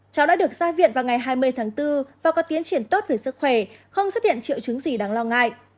cháu đã được ra viện vào ngày hai mươi tháng bốn và có tiến triển tốt về sức khỏe không xuất hiện triệu chứng gì đáng lo ngại